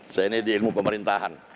saya ini di ilmu pemerintahan